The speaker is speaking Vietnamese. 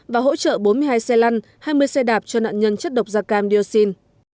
và hỗ trợ bốn mươi hai xe lăn hai mươi xe đạp cho nạn nhân chất độc da cam dioxin